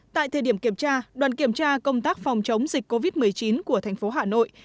tại thời điểm kiểm tra đoàn kiểm tra công tác phòng chống dịch covid một mươi chín của thành phố hà nội